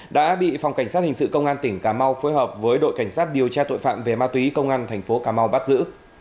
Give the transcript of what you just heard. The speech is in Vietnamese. đã bị phòng cảnh sát hình sự công an tỉnh cà mau phối hợp với đội cảnh sát điều tra tội phạm về ma túy công an thành phố cà mau bắt giữ